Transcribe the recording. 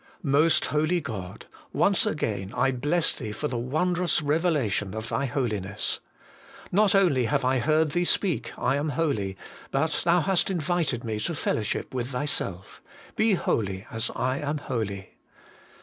Most Holy God ! once again I bless Thee for the wondrous revelation of Thy Holiness. Not only have I heard Thee speak, ' I am holy,' but Thou hast invited me to fellowship with Thyself :' Be holy, as I am holy.'